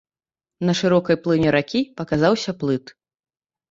На шырокай плыні ракі паказаўся плыт.